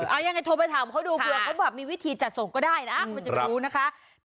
เอายังไงโทรไปถามเค้าดูเค้ามีวิธีจัดส่งก็ได้นะเค้าจะไปรู้นะคะ